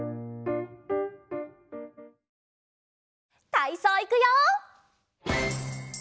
たいそういくよ！